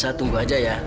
saya tunggu aja ya